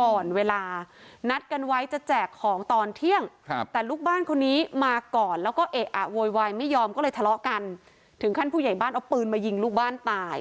ก่อนเวลานัดกันไว้จะแจกของตอนเที่ยงแต่ลูกบ้านคนนี้มาก่อนแล้วก็เอะอะโวยวายไม่ยอมก็เลยทะเลาะกันถึงขั้นผู้ใหญ่บ้านเอาปืนมายิงลูกบ้านตาย